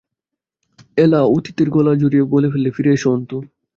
এলা অতীনের গলা জড়িয়ে ধরে বললে, ফিরে এস, অন্তু।